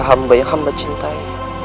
hamba yang hamba cintai